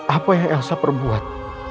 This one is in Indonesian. apa yang elsa perbuat